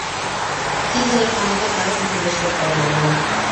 Тиҙ генә ҡамырҙа тауыҡ ите бешереп алырға була.